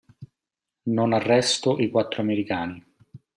Non arresto i quattro americani.